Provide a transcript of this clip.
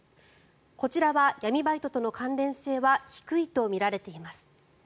こちらは闇バイトとの関連性は低いとみられています。